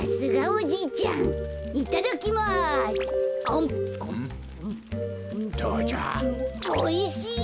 おいしい。